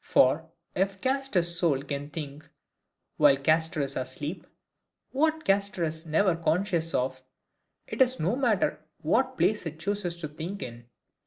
For, if Castor's soul can think, whilst Castor is asleep, what Castor is never conscious of, it is no matter what PLACE it chooses to think in.